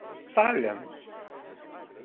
Ṭṭalem!